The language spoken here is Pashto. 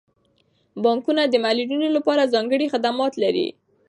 بانکونه د معلولینو لپاره ځانګړي خدمات لري.